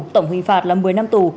tổng hình phạt là một mươi năm tù